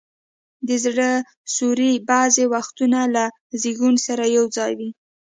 د زړه سوري بعضي وختونه له زیږون سره یو ځای وي.